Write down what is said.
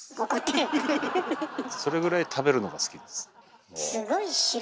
それぐらい食べるのが好きです。